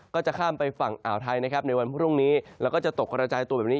ก็จะข้ามไปฝั่งอ่าวไทยนะครับในวันพรุ่งนี้แล้วก็จะตกกระจายตัวแบบนี้